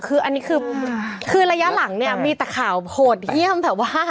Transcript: คืออันนี้คือระยะหลังมีแต่ข่าวโหดเยี่ยมแต่ว่า